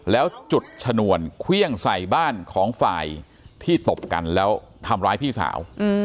แล้วจุดชนวนเครื่องใส่บ้านของฝ่ายที่ตบกันแล้วทำร้ายพี่สาว